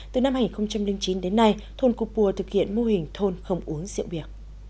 từ năm hai nghìn chín đến nay thôn cô pua thực hiện mô hình thôn không uống rượu bia